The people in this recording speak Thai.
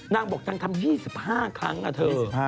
นางบอกนางทำ๒๕ครั้งอะเธอ